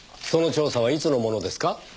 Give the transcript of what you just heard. その調査はいつのものですか？